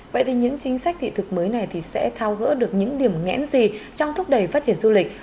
vậy thì những chính sách thị thực mới này thì sẽ thao gỡ được những điểm nghẽn gì trong thúc đẩy phát triển du lịch